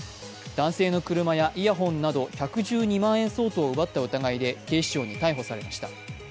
男性の車やイヤホンなど、１１２万円相当を奪った疑いで警視庁に逮捕されました。